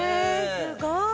すごい！